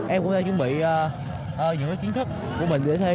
em cũng đã chuẩn bị những cái chiến thức của mình để thi